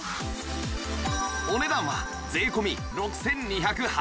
お値段は税込６２８０円